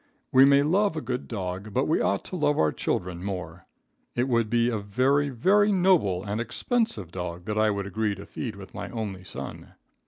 We may love a good dog, but we ought to love our children more. It would be a very, very noble and expensive dog that I would agree to feed with my only son.